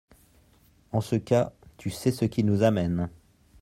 En ce cas, tu sais ce qui nous amène.